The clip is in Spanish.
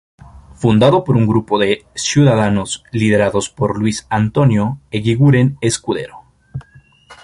Fundado por un grupo de ciudadanos, liderados por Luis Antonio Eguiguren Escudero.